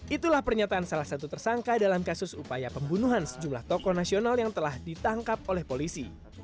itulah pernyataan salah satu tersangka dalam kasus upaya pembunuhan sejumlah tokoh nasional yang telah ditangkap oleh polisi